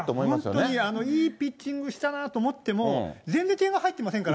本当にいいピッチングしたなと思っても、全然点が入ってませんから。